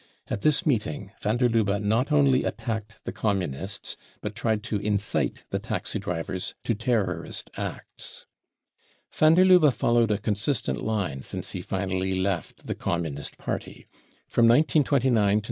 At this* meeting van der Lubbe not only* attacked the Communists but tried to incite the taxi drivers to terrorist acts? * Van der Lubbe followed a consistent line since he finally left the Communist Party. From 1929 to 1931 he had been ' f '